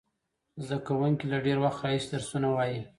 زده کوونکي له ډېر وخت راهیسې درسونه وایي.